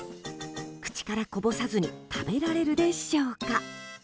口からこぼさずに食べられるでしょうか。